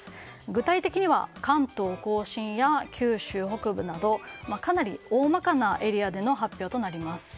具体的には関東・甲信や九州北部などかなり大まかなエリアでの発表となります。